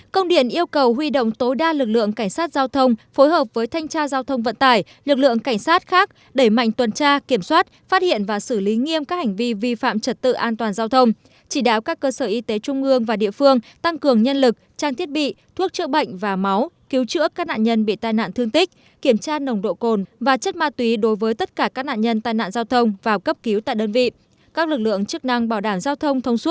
công điện yêu cầu huy động tối đa lực lượng cảnh sát giao thông phối hợp với thanh tra giao thông vận tải lực lượng cảnh sát khác đẩy mạnh tuần tra kiểm soát phát hiện và xử lý nghiêm các hành vi vi phạm trật tự an toàn giao thông chỉ đáo các cơ sở y tế trung ương và địa phương tăng cường nhân lực trang thiết bị thuốc chữa bệnh và máu cứu chữa các nạn nhân bị tai nạn thương tích kiểm tra nồng độ cồn và chất ma túy đối với tất cả các nạn nhân tai nạn giao thông và cấp cứu tại đơn vị các lực lượng chức năng bảo đảm giao thông thông su